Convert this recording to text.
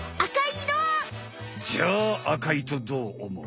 じゃあ赤いとどうおもう？